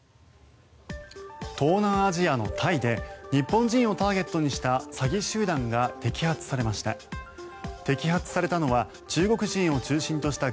東南アジアのタイで日本人をターゲットにした詐欺集団が摘発されました。